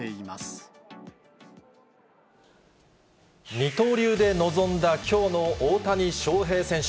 二刀流で臨んだきょうの大谷翔平選手。